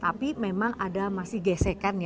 tapi memang ada masih gesekan ya